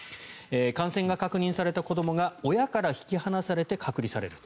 感染が確認された子どもが親から引き離されて隔離される。